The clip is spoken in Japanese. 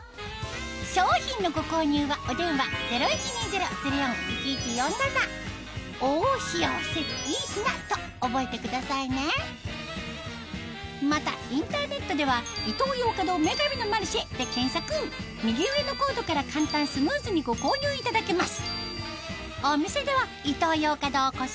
商品のご購入はお電話０１２０−０４−１１４７と覚えてくださいねまたインターネットでは右上のコードから簡単スムーズにご購入いただけます